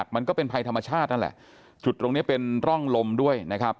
มันก็เป็นภัยธรรมชาตินั่นแหละจุดตรงนี้เป็นร่องลมด้วยนะครับ